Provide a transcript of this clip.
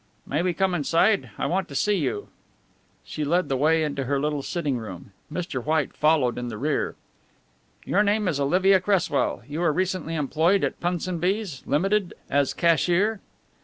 "May we come inside? I want to see you." She led the way to her little sitting room. Mr. White followed in the rear. "Your name is Oliva Cresswell. You were recently employed by Punsonby's, Limited, as cashier."